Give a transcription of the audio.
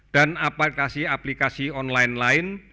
dan aplikasi aplikasi online lain